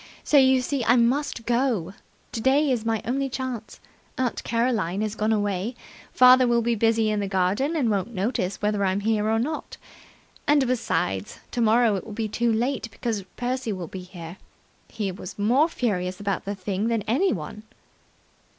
So, you see, I must go. Today's my only chance. Aunt Caroline has gone away. Father will be busy in the garden, and won't notice whether I'm here or not. And, besides, tomorrow it will be too late, because Percy will be here. He was more furious about the thing than anyone."